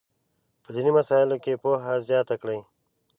په دیني مسایلو کې پوهه زیاته کړي.